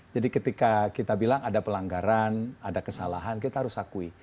jadi ketika kita bilang ada pelanggaran ada kesalahan kita harus akui